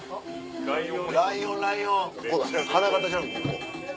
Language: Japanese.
ライオンライオン花形ちゃうここ。